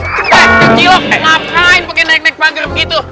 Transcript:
eh kecil kok ngapain pakai naik naik panger begitu